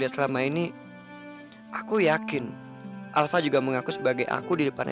apa yang terjadi apa yang terjadi aku yakin alva juga mengaku sebagai aku di depan